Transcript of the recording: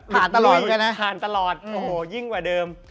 ผ่านตลอดผ่านตลอดโอ้โหยิ่งกว่าเดิม